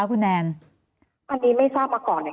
อันนี้ไม่ทราบมาก่อนเลย